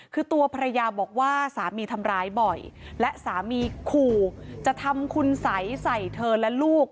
คือตัวภรรยาบอกว่าสามีทำร้ายบ่อยและสามีขู่จะทำคุณสัยใส่เธอและลูก